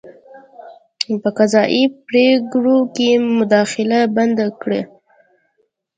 په قضايي پرېکړو کې مداخله بنده کړه.